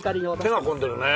手が込んでるね。